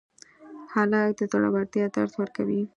هلک د زړورتیا درس ورکوي.